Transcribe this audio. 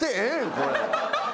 これ。